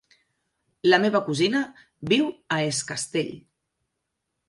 La meva cosina viu a Es Castell.